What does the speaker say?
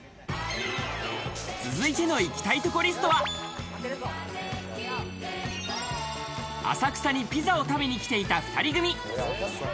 続いての行きたいとこリストは、浅草にピザを食べに来ていた２人組。